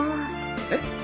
えっ？